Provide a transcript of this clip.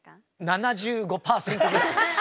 ７５％ぐらい。